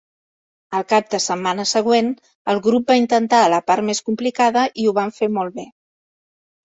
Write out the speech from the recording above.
El cap de setmana següent, el grup va intentar la part més complicada i ho van fer molt bé.